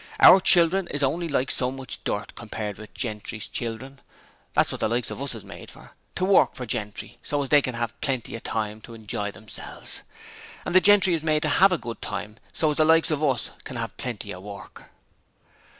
Our children is only like so much dirt compared with Gentry's children! That's wot the likes of us is made for to Work for Gentry, so as they can 'ave plenty of time to enjoy theirselves; and the Gentry is made to 'ave a good time so as the likes of us can 'ave Plenty of Work.'